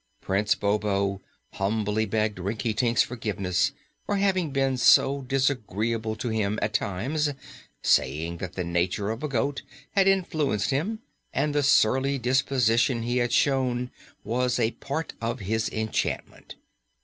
Prince Bobo humbly begged Rinkitink's forgiveness for having been so disagreeable to him, at times, saying that the nature of a goat had influenced him and the surly disposition he had shown was a part of his enchantment.